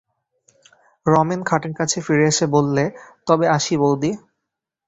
রমেন খাটের কাছে ফিরে এসে বললে, তবে আসি বউদি।